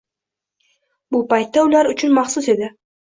Bu paytda ular uchun maxsus edi.